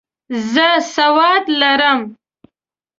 زه سواد لرم.